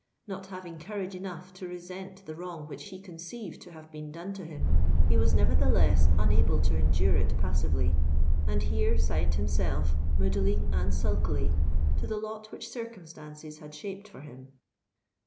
Not having courage enough to resent the wrong which he conceived to have been done him, he was nevertheless unable to endure it passively; and here signed himself, moodily and sulkily, to the lot which circumstances had shaped for him.